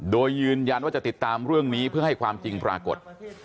โดยยืนยันว่าจะติดตามเรื่องนี้เพื่อให้ความจริงปรากฏ